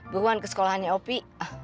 beruan ke sekolahannya opi